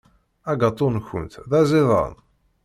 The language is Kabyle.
Agaṭu-nkent d aẓidan.